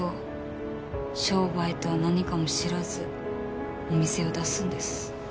商売とは何かも知らずお店を出すんです。